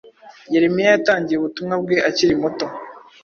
Yeremiya yatangiye ubutumwa bwe akiri muto